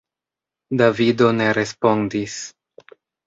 Davido ne respondis.